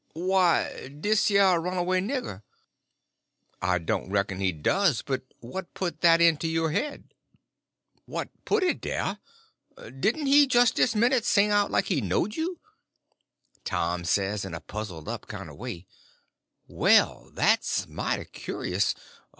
"Why, dis yer runaway nigger." "I don't reckon he does; but what put that into your head?" "What put it dar? Didn' he jis' dis minute sing out like he knowed you?" Tom says, in a puzzled up kind of way: "Well, that's mighty curious.